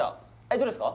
どれですか？